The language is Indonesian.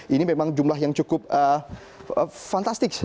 ini memang jumlah yang cukup fantastik